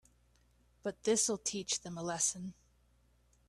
But this'll teach them a lesson.